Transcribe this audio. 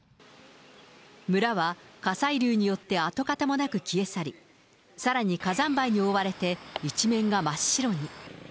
村は火砕流によって跡形もなく消え去り、さらに火山灰に覆われて、一面が真っ白に。